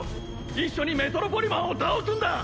一緒にメトロポリマンを倒すんだ！